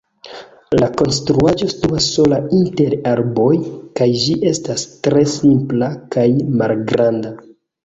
La konstruaĵo situas sola inter arboj kaj ĝi estas tre simpla kaj malgranda.